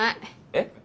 えっ？